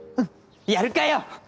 やるかよ！